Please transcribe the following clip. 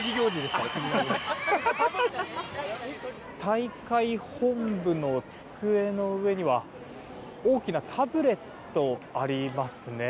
大会本部の机の上には大きなタブレットがありますね。